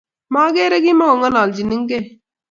Mokerei kimakongalalchinkei